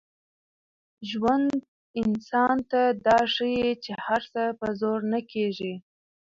ژوند انسان ته دا ښيي چي هر څه په زور نه کېږي.